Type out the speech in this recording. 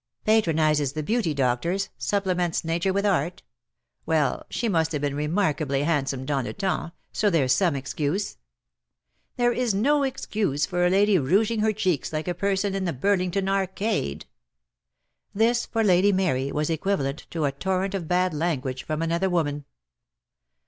"Patronises the beauty doctors, supplements nature wth art? Well, she must have been re markably handsome dans le Umps, so there's some excuse." "There is no excuse for a lady rouging her cheeks like a person in the Burlington Arcade." DEAD LOVE HAS CHAINS. 163 This for Lady Mary was equivalent to a torrent of bad language from another woman.